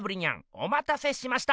おまたせしました！